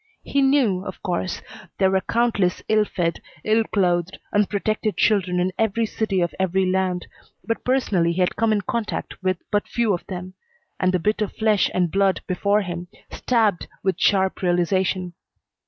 He knew, of course, there were countless ill fed, ill clothed, unprotected children in every city of every land, but personally he had come in contact with but few of them, and the bit of flesh and blood before him stabbed with sharp realization.